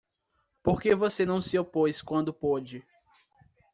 Por que você não se opôs quando pôde?